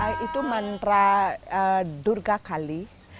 itu mantra durga kali